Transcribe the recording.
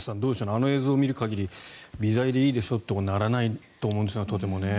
あの映像を見る限り微罪でいいでしょとはならないと思うんですけどね。